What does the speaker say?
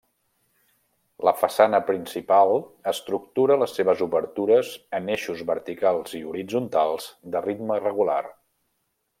La façana principal estructura les seves obertures en eixos verticals i horitzontals de ritme regular.